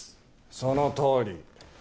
そのとおり。